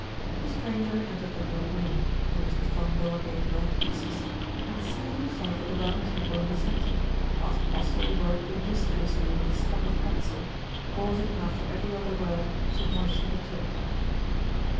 The stranger entered the little room, to which the front door gave direct access, and seated himself at the round table in the centre, whilst Postle worked industriously with his stub of pencil, pausing after every other word to moisten the tip.